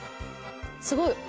すごい。